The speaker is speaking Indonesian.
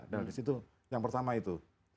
nah di situ yang pertama itu